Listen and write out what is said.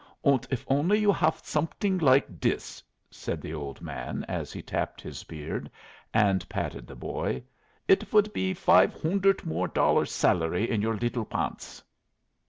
"Und if only you haf someding like dis," said the old man, as he tapped his beard and patted the boy, "it would be five hoondert more dollars salary in your liddle pants."